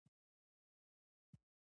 انسان بايد هيڅکله احسان هېر نه کړي .